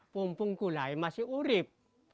pempung kulai masih urib